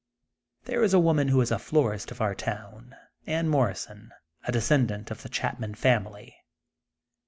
There is a woman who is florist of our town, Anne Morrison a descendant of the Chapman family.